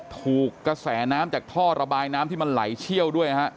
ถูกกระแสน้ำจากท่อระบายน้ำที่มันไหลเชี่ยวด้วยฮะ